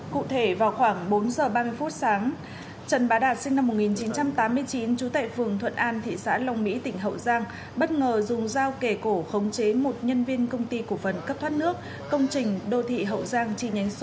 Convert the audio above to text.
cụ thể vào khoảng bốn giờ ba mươi phút sáng trần bá đạt sinh năm một nghìn chín trăm tám mươi chín trú tại phường thuận an thị xã long mỹ tỉnh hậu giang bất ngờ dùng dao kề cổ khống chế một nhân viên công ty cổ phần cấp thoát nước công trình đô thị hậu giang chi nhánh số một